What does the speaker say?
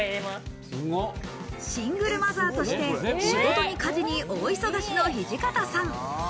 シングルマザーとして仕事に家事に大忙しの土方さん。